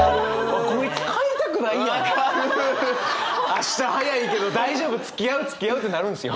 明日早いけど大丈夫つきあうつきあうってなるんですよ。